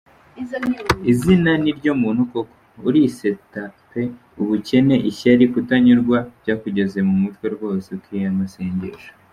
izina niryo muntu koko, uriseta pe, ubukene, ishyari kutanyurwa byakugeze mumutwe rwose, ukwiyamasengesho.